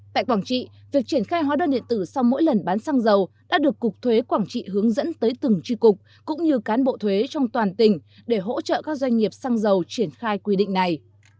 tại quảng trị việc triển khai hóa đơn điện tử sau mỗi lần bán xăng dầu đã được cục thuế quảng trị hướng dẫn tới từng tri cục cũng như cán bộ thuế trong toàn tỉnh để hỗ trợ các doanh nghiệp xăng dầu triển khai quy định này